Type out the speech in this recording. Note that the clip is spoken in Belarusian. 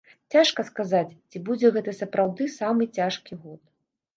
Цяжка сказаць, ці будзе гэта сапраўды самы цяжкі год.